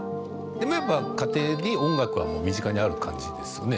でもやっぱ家庭に音楽はもう身近にある感じですよね？